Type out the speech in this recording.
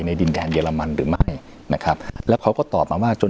ดินแดนเรมันหรือไม่นะครับแล้วเขาก็ตอบมาว่าจน